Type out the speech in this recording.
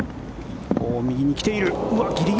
右に来ている。